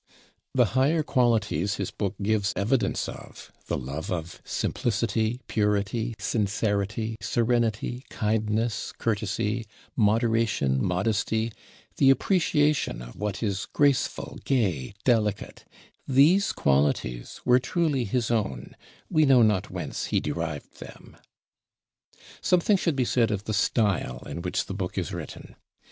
The higher qualities his book gives evidence of the love of simplicity, purity, sincerity, serenity, kindness, courtesy, moderation, modesty, the appreciation of what is graceful, gay, delicate, these qualities were truly his own: we know not whence he derived them. Something should be said of the style in which the book is written.